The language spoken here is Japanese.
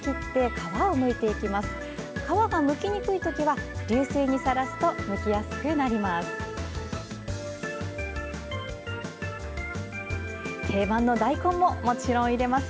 皮がむきにくいときは流水にさらすとむきやすくなります。